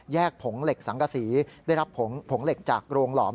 ผงเหล็กสังกษีได้รับผงผงเหล็กจากโรงหลอม